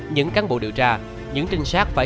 những cán bộ điều tra những trinh sát phải